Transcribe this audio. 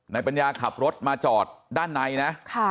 ปัญญาขับรถมาจอดด้านในนะ